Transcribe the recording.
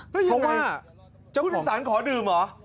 แล้วยังไงคุณสารขอดื่มเหรอเพราะว่า